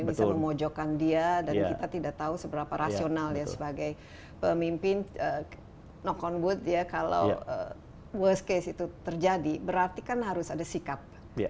bisa memojokkan dia dan kita tidak tahu seberapa rasional ya sebagai pemimpin knock on wood ya kalau worst case itu terjadi berarti kan harus ada sikap